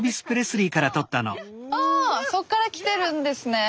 あそっからきてるんですね。